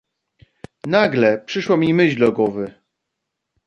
"Nagle przyszła mi myśl do głowy."